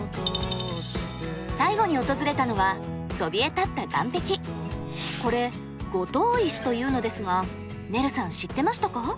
最後に訪れたのはこれ五島石というのですがねるさん知ってましたか？